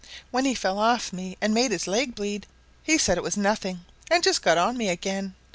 When he fell off me and made his leg bleed he said it was nothing, and just got on me again.